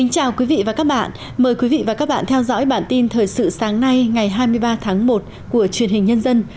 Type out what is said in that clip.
chào mừng quý vị đến với bản tin thời sự sáng nay ngày hai mươi ba tháng một của truyền hình nhân dân